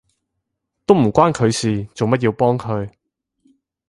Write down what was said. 都唔關佢事，做乜要幫佢？